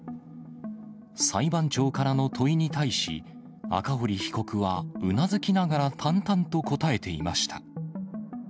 裁判長からの問いに対し、赤堀被告は、うなずきながら淡々と答えていました。